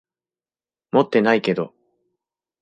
持ってないけど。